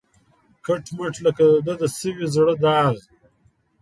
کټ مټ لکه د ده د سوي زړه داغ